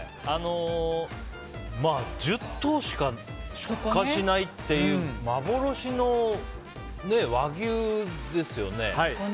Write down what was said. １０頭しか出荷しないという幻の和牛ですよね。